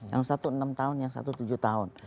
yang satu enam tahun yang satu tujuh tahun